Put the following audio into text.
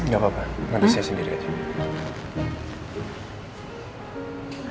gak apa apa bukan saya sendiri aja